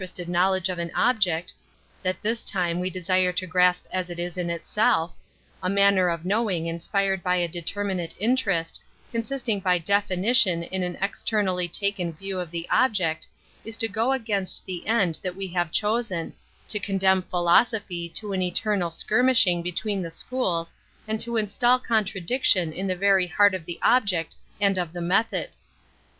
»tetl knowledge of an object (that th{» Uto^ ^v dess^ire to grasp as it is in itself) « uuiuner of knowing inspired by a determin iiti^ iniii'neHSil^ eomsisting by deJinirion in an Metaphysics 43 externally taken view of the object, is to go against the end that we have chosen, to condemn philosophy to an eternal skirmish ing between the schools and to install con tradiction in the very heart of the object and of the method.